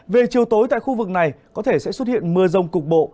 về chiều tối tại khu vực này có thể sẽ xuất hiện mưa rông cục bộ